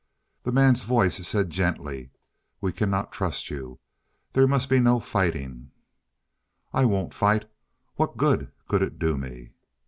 The man's voice said gently, "We cannot trust you. There must be no fighting " "I won't fight. What good could it do me?"